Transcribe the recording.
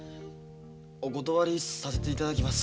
お断りさせて頂きます。